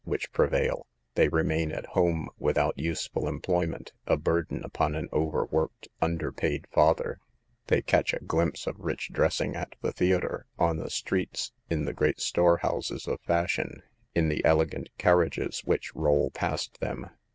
which prevail, they remain at home without useful employment, a burden upon an overworked, underpaid father. They catch a glimpse of rich dressing at the theater, on the streets, in the great storehouses of fashion, in the elegant car SOME TEMPTATIONS OF CITY LIFE. 177 riages which roll past them.